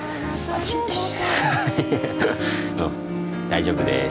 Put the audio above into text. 大丈夫です。